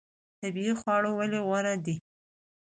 طبیعي خواړه ولې غوره دي؟